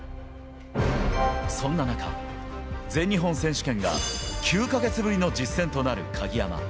そんな中、全日本選手権が９か月ぶりの実戦となる鍵山。